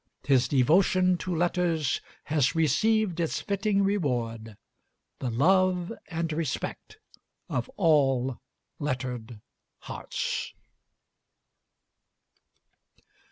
His devotion to letters has received its fitting reward, the love and respect of all "lettered hearts."